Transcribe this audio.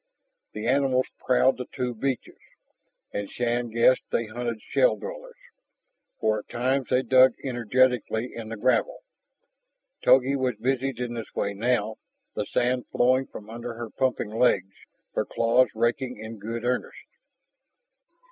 The animals prowled the two beaches, and Shann guessed they hunted shell dwellers, for at times they dug energetically in the gravel. Togi was busied in this way now, the sand flowing from under her pumping legs, her claws raking in good earnest.